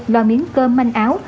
lo miếng cơm manh áo